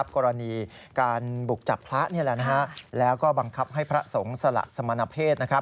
กรณีการบุกจับพระแล้วก็บังคับให้พระสงฆ์สละสมณเพศ